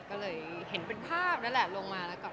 ก็เลยเห็นเป็นภาพนั่นแหละลงมาแล้วก็